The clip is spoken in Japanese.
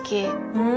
うん？